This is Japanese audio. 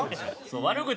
悪口